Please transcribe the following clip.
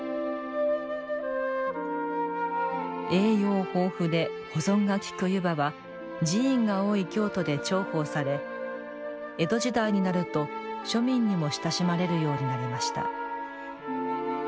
栄養豊富で保存が利く湯葉は寺院が多い京都で重宝され江戸時代になると庶民にも親しまれるようになりました。